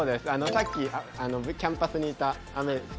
さっきキャンパスにいた福井智樹です。